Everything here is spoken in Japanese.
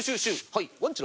はいワンチュ！！